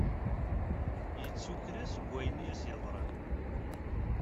Yettu kra seg wayen i as-iḍran.